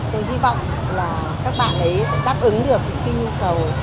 tôi hy vọng là các bạn ấy sẽ đáp ứng được những kinh nghiệm cầu